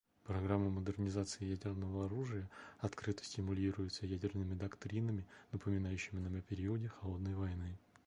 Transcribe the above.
Программы модернизации ядерного оружия открыто стимулируются ядерными доктринами, напоминающими нам о периоде «холодной войны».